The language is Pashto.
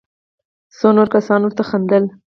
څو نورو کسانو ورته خندل.